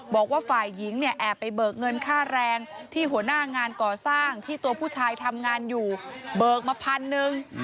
บอกว่าฝ่ายหญิงเนี่ยแอบไปเบิกเงินค่าแรงที่หัวหน้างานก่อสร้างที่ตัวผู้ชายทำงานอยู่เบิกมาพันหนึ่ง